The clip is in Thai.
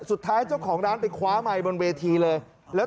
สุดท้ายเจ้าของร้านไปคว้าไมค์บนเวทีเลยแล้ว